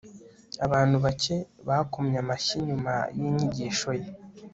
Abantu bake bakomye amashyi nyuma yinyigisho ye